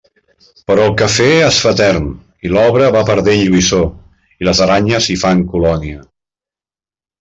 Però el café es fa etern, i l'obra va perdent lluïssor, i les aranyes hi fan colònia.